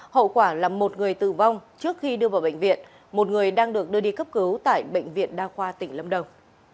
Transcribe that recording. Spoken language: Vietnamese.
hậu quả là một người tử vong trước khi đưa vào bệnh viện một người đang được đưa đi cấp cứu tại bệnh viện đa khoa tỉnh lâm đồng